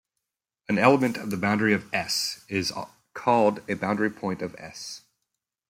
An element of the boundary of "S" is called a boundary point of "S".